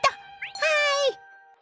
はい！